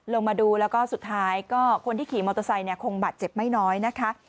ลงมาดูแล้วก็สุดท้ายก็คนที่ขี่มอเตอร์ไซค์คงบาดเจ็บไม่น้อยนะคะ